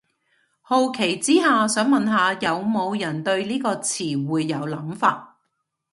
好奇之下，想問下有無人對呢個詞彙有諗法